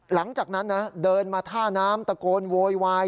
หลังจากนั้นนะเดินมาท่าน้ำตะโกนโวยวาย